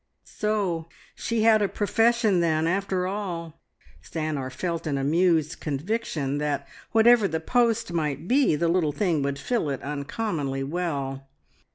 So she had a profession then, after all! Stanor felt an amused conviction that whatever the post might be the little thing would fill it uncommonly well.